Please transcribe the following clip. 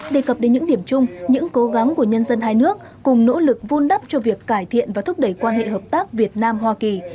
đề cập đến những điểm chung những cố gắng của nhân dân hai nước cùng nỗ lực vun đắp cho việc cải thiện và thúc đẩy quan hệ hợp tác việt nam hoa kỳ